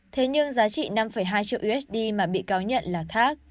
thế nhưng giá trị năm hai triệu usd mà bị cáo nhận là khác